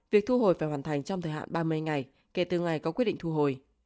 việc thu hồi phải hoàn thành trong thời hạn ba mươi ngày kể từ ngày có quyết định thu hồi